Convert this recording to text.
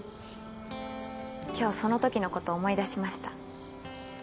今日その時のこと思い出しました。